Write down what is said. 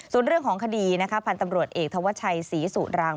ส่วนเรื่องของคดีนะคะพันธ์ตำรวจเอกธวัชชัยศรีสุรัง